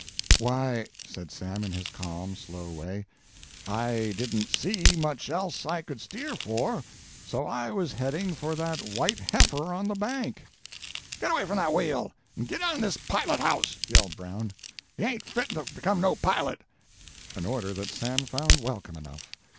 "Why," said Sam in his calm, slow way, "I didn't see much else I could steer for, so I was heading for that white heifer on the bank." "Get away from that wheel! And get outen this pilot house!" yelled Brown. "You ain't fitten to become no pilot!" An order that Sam found welcome enough.